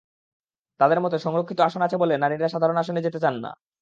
তাঁদের মতে, সংরক্ষিত আসন আছে বলে নারীরা সাধারণ আসনে যেতে চান না।